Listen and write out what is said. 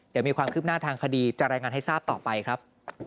เดี๋ยวมีความคืบหน้าทางคดีจะรายงานให้ทราบต่อไปครับ